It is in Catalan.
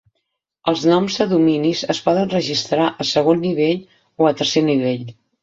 Els noms de dominis es poden registrar a segon nivell o a tercer nivell.